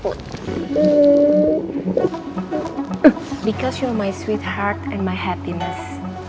karena kamu adalah hatiku yang manis dan kebahagiaan